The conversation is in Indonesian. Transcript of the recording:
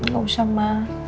gak usah mak